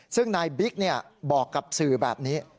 ซึ่งนายบิ๊กบอกกับสื่อแบบนี้